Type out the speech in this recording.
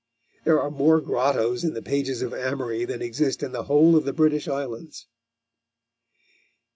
(There are more grottoes in the pages of Amory than exist in the whole of the British Islands.)